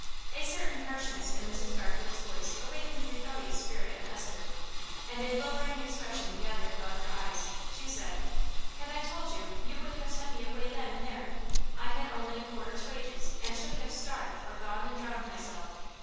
A certain harshness in Mrs. Barfield's voice awakened a rebellious spirit in Esther, and a lowering expression gathered above her eyes. She said "Had I told you, you would have sent me away then and there. I had only a quarter's wages, and should have starved or gone and drowned myself."